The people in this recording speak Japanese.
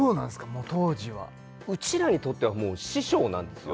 もう当時はうちらにとってはもう師匠なんですよ